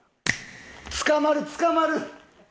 捕まる捕まる！